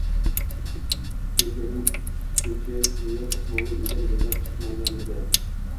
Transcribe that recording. Kelganining uchinchi kuniyoq Ismoil uydan yig'lab chiqmaganmidi?